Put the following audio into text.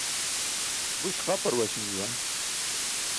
Buś qapar waśim juwan.